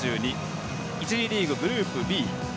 １次リーググループＢ。